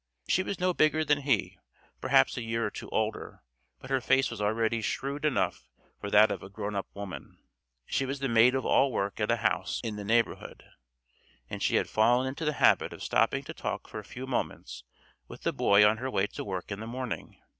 She was no bigger than he, perhaps a year or two older, but her face was already shrewd enough for that of a grown up woman. She was the maid of all work at a house in the neighborhood, and she had fallen into the habit of stopping to talk for a few moments with the boy on her way to work in the morning.